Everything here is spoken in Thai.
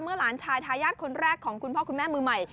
หลานชายทายาทคนแรกของคุณพ่อคุณแม่มือใหม่